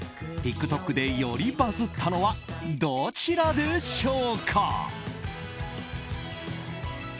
ＴｉｋＴｏｋでよりバズったのはどちらでしょうか？